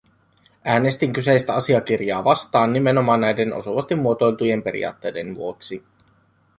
Äänestin kyseistä asiakirjaa vastaan nimenomaan näiden osuvasti muotoiltujen periaatteiden vuoksi.